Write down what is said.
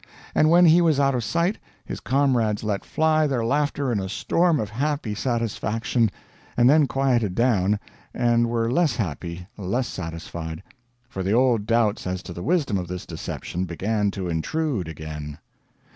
And when he was out of sight his comrades let fly their laughter in a storm of happy satisfaction and then quieted down, and were less happy, less satisfied. For the old doubts as to the wisdom of this deception began to intrude again.